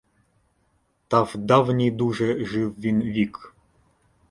Та в давній дуже жив він вік.